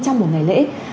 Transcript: trong một ngày lễ